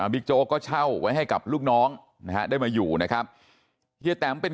มองก็เข้าไว้ให้กับลูกน้องมาอยู่นะครับเหี้ยแตมเป็น